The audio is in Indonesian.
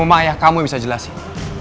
cuma ayah kamu yang bisa jelasin